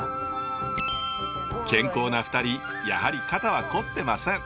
健康な２人やはり肩はこってません。